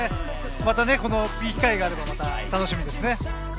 また機会があれば楽しみですね。